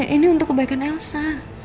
ini untuk kebaikan elsa